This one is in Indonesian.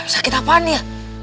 sakit apaan ya